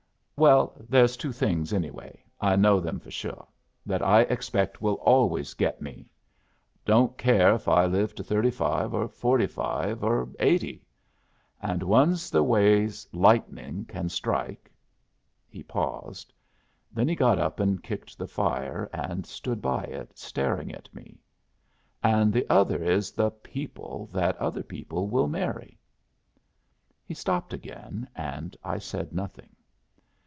"Well, there's two things anyway I know them for sure that I expect will always get me don't care if I live to thirty five, or forty five, or eighty. And one's the ways lightning can strike." He paused. Then he got up and kicked the fire, and stood by it, staring at me. "And the other is the people that other people will marry." He stopped again; and I said nothing.